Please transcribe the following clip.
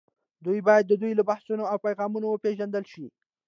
دوی باید د دوی له بحثونو او پیغامونو وپېژندل شي